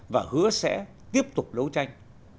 và hứa sẽ tiếp tục đấu tranh